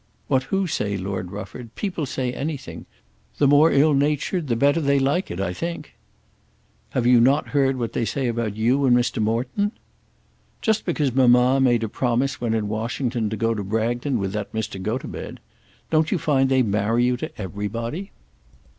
"What who say, Lord Rufford? People say anything, the more ill natured the better they like it, I think." "Have you not heard what they say about you and Mr. Morton?" "Just because mamma made a promise when in Washington to go to Bragton with that Mr. Gotobed. Don't you find they marry you to everybody?"